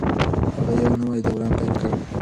هغه یو نوی دوران پیل کړ.